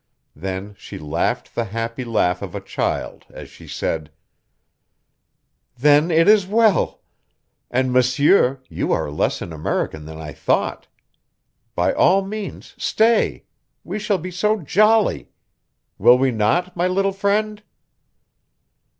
Then she laughed the happy laugh of a child as she said: "Then it is well! And, monsieur, you are less an American than I thought. By all means, stay we shall be so jolly! Will we not, my little friend?"